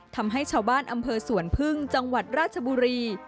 ทำให้ชาวบ้านอำเภอสวนพึ่งจังหวัดราชบุรี